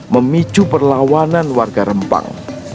memicu perlawanan warga rempang